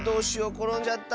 ころんじゃった。